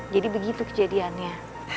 jadi begitu kejadiannya